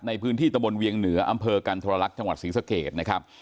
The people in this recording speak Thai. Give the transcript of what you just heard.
ในพื้นที่ตะบนเวียงเหนืออำเภอกันทรลักษณ์จังหวัดศรีสะเกดนะครับ